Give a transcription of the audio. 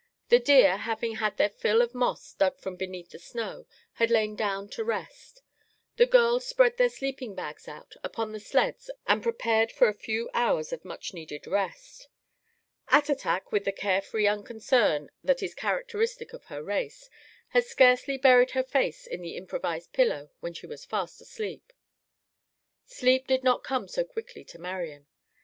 The deer, having had their fill of moss dug from beneath the snow, had lain down to rest. The girls spread their sleeping bags out upon the sleds and prepared for a few hours of much needed rest. Attatak, with the carefree unconcern that is characteristic of her race, had scarcely buried her face in an improvised pillow when she was fast asleep. Sleep did not come so quickly to Marian.